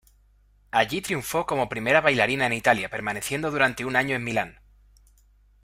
Allí triunfó como primera bailarina en Italia permaneciendo durante un año en Milán.